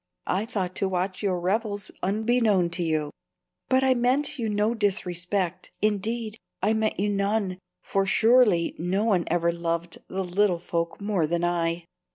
I thought to watch your revels unbeknown to you. But I meant you no disrespect, indeed, I meant you none, for surely no one ever loved the little folk more than I."